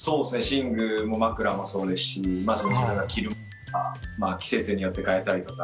寝具も枕もそうですし着るものとか季節によって変えたりとか。